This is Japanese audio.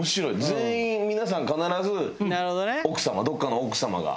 全員皆さん必ず奥様どこかの奥様が。